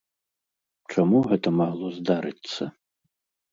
Чаму гэта магло здарыцца?